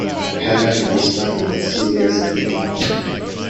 Helene whispered in Celia's ear.